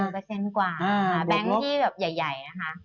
แบงค์ที่แบบใหญ่นะฮะ